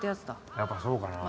やっぱそうかなあ。